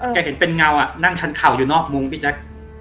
เห็นเป็นเงานั่งชั้นเข่าอยู่นอกมุ้งพี่แจ๊ค